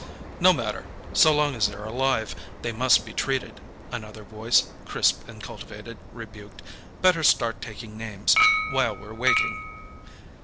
"No matter; so long as they're alive, they must be treated," another voice, crisp and cultivated, rebuked. "Better start taking names, while we're waiting."